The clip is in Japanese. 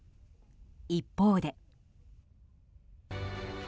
一方で。